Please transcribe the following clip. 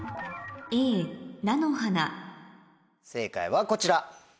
正解はこちら。